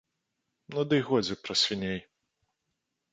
Ну дый годзе пра свіней.